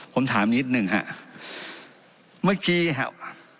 ผมถามนิดหนึ่งฮะเมื่อกี้ครับ